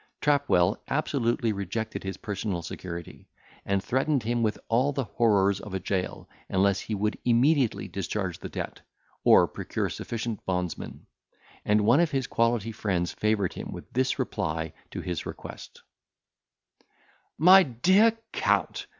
Trapwell absolutely rejected his personal security; and threatened him with all the horrors of a jail, unless he would immediately discharge the debt, or procure sufficient bondsmen; and one of his quality friends favoured him with this reply to his request:— "MY DEAR COUNT!